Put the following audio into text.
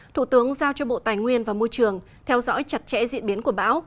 thủ tướng giao cho bộ tài nguyên và môi trường theo dõi chặt chẽ diễn biến của bão